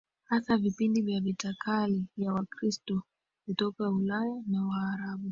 Hasa vipindi vya vita kati ya Wakristo kutoka Ulaya na Waarabu